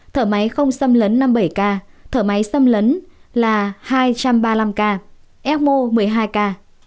thở máy không xâm lấn năm mươi bảy ca thở máy xâm lấn là hai trăm ba mươi năm ca emo một mươi hai ca